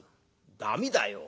「駄目だよ。